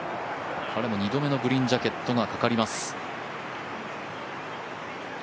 彼も２度目のグリーンジャケットがかかります。